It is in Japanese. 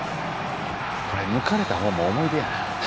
これ抜かれた方も思い出や。